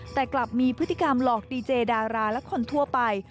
แต่กลับมีพฤติกรรมหลอกดีเจดาราและคนทั่วไป